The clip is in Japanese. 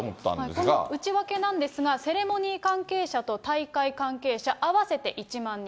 この内訳なんですが、セレモニー関係者と大会関係者、合わせて１万人。